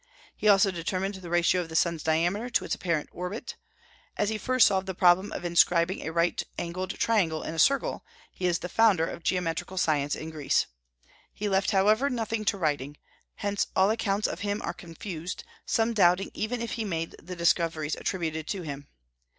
He also determined the ratio of the sun's diameter to its apparent orbit. As he first solved the problem of inscribing a right angled triangle in a circle, he is the founder of geometrical science in Greece. He left, however, nothing to writing; hence all accounts of him are confused, some doubting even if he made the discoveries attributed to him.